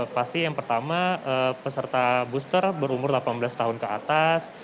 pasti yang pertama peserta booster berumur delapan belas tahun ke atas